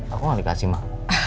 aku gak dikasih mbak